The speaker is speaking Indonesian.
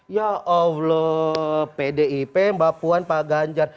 ya allah pdip mbak puan pak ganjar